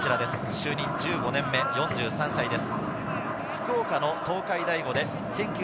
就任１５年目、４３歳です。